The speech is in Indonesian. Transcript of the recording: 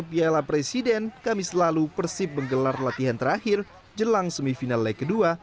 piala presiden kami selalu persib menggelar latihan terakhir jelang semifinal leg kedua